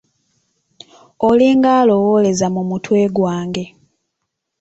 Olinga alowooleza mu mutwe ggwange!